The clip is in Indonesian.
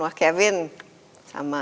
wah kevin sama